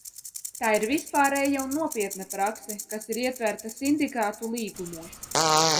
Tā ir vispārēja un nopietna prakse, kas ir ietverta sindikātu līgumos.